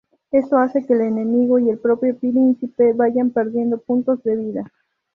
Esto hace que el enemigo y el propio príncipe vayan perdiendo puntos de vida.